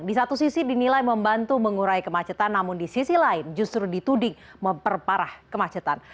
di satu sisi dinilai membantu mengurai kemacetan namun di sisi lain justru dituding memperparah kemacetan